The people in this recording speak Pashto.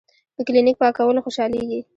پۀ کلینک پاکولو خوشالیږي ـ